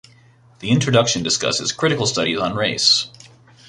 The introduction discusses critical studies on race.